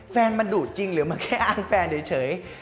แฟนมันดูดจริงหรือมันแค่อ้างแฟนเดียวเฉย